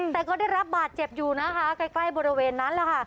แต่ก็ได้รับบาดเจ็บอยู่นะคะใกล้บริเวณนั้นแหละค่ะ